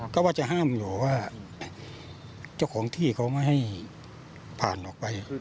ก็ว่าจะห้ามอยู่ว่าเจ้าของที่เขาไม่ให้ผ่านออกไป